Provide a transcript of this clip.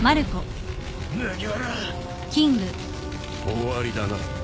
終わりだな。